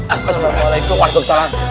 assalamualaikum warahmatullahi wabarakatuh